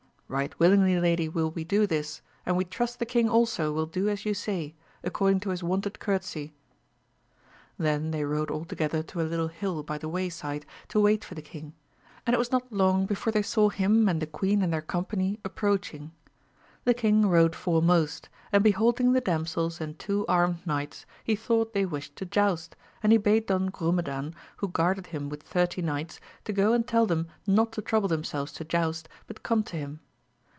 — ^Right willingly lady will we do this, and we trust the king also will do as you say, accord ing to his wonted courtesy. Then they rode all toge ther to a little hill by the way side to wait for the king, and it was not long before they saw him and the queen and their company approaching. The king rode foremost, and beholding the damsels and two armed knights, he thought they wished to joust, an4 he bade Don Grumedan, who guarded him with thirty knights, to go and tell them not to trouble them selves to joust, but come to him.